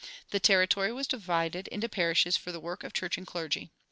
The territory was divided into parishes for the work of church and clergy.